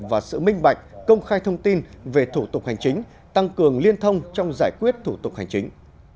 và sự minh bạch công khai thông tin về thủ tục hành chính tăng cường liên thông trong giải quyết thủ tục hành chính